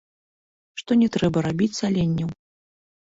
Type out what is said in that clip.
Што не трэба рабіць саленняў.